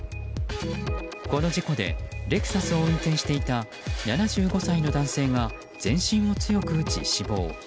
この事故でレクサスを運転していた７５歳の男性が全身を強く打ち死亡。